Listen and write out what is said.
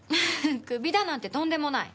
クビだなんてとんでもない。